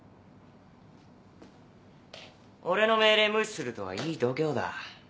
俺の命令無視するとはいい度胸だ。